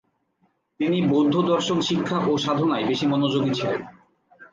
তিনি বৌদ্ধ দর্শন শিক্ষা ও সাধনায় বেশি মনোযোগী ছিলেন।